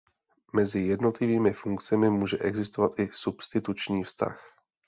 Mezi jednotlivými funkcemi může existovat i substituční vztah.